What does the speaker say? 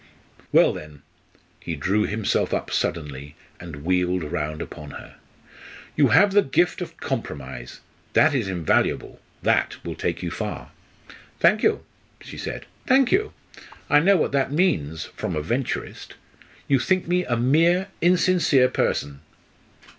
"Well, then" he drew himself up suddenly and wheeled round upon her "you have the gift of compromise. That is invaluable that will take you far." "Thank you!" she said. "Thank you! I know what that means from a Venturist. You think me a mean insincere person!"